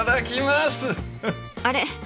あれ？